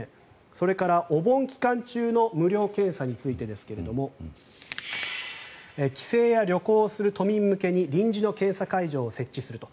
それからお盆期間中の無料検査についてですが帰省や旅行する都民向けに臨時の検査会場を設置すると。